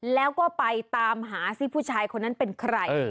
แล้วก็ไปตามหาสิผู้ชายคนนั้นเป็นใคร